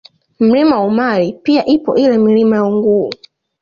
Mlima Umari pia ipo ile Milima ya Unguu